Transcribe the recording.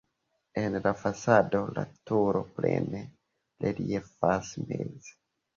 En la fasado la turo plene reliefas meze.